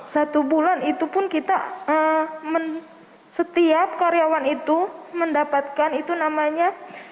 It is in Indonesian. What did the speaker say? satu bulan itu pun kita setiap karyawan itu mendapatkan itu namanya